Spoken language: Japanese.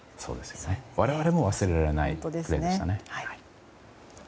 我々も忘れられないプレーでしたね。